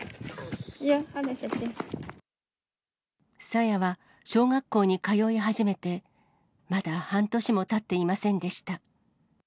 さやは、小学校に通い始めてまだ半年もたっていませんでした。